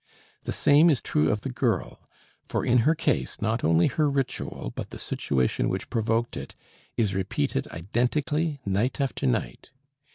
The same is true of the girl, for in her case not only her ritual, but the situation which provoked it, is repeated identically night after night.